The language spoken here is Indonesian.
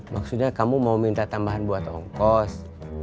maksudnya kamu mau minta tambahan buat ongkos